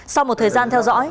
sau một thời gian theo dõi